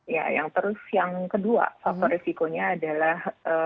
ya yang terus yang kedua faktor risikonya adalah